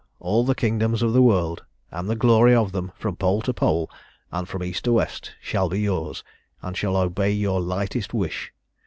All the kingdoms of the world, and the glory of them, from pole to pole, and from east to west, shall be yours, and shall obey your lightest wish.